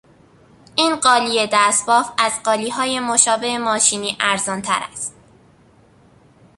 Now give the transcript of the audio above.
این قالی دستبافت از قالیهای مشابه ماشینی ارزانتر است.